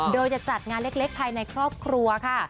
โดยจะจัดงานเล็กภายในครอบครัวค่ะ